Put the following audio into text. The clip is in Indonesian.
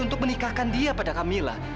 untuk menikahkan dia pada kamila